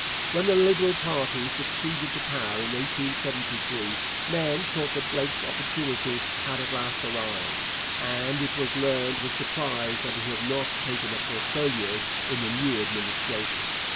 When the Liberal party succeeded to power in 1873, men thought that Blake's opportunity had at last arrived, and it was learned with surprise that he had not taken a portfolio in the new Administration.